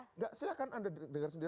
enggak silahkan anda dengar sendiri